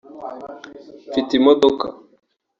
mfite imodoka